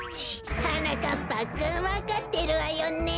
はなかっぱくんわかってるわよね？